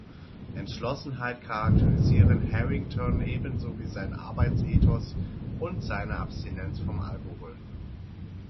Entschlossenheit charakterisieren Harrington ebenso wie sein Arbeitsethos und seine Abstinenz vom Alkohol.